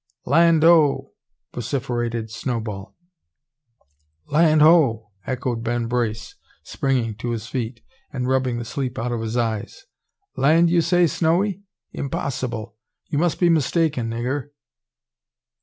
"Land 'o!" vociferated Snowball. "Land ho!" echoed Ben Brace, springing to his feet, and rubbing the sleep out of his eyes, "Land, you say, Snowy? Impossible! You must be mistaken, nigger."